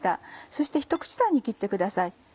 そしてひと口大に切ってください。